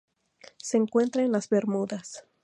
Se encuentra en las Bermudas.